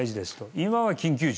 今は緊急時。